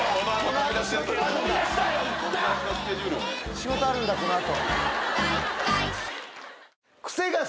仕事あるんだこの後。